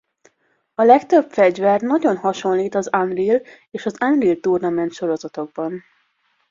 A legtöbb fegyver nagyon hasonlít az Unreal és az Unreal tournament sorozatokban.